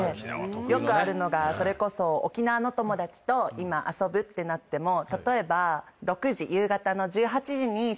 よくあるのがそれこそ沖縄の友達と遊ぶってなっても例えば６時夕方の。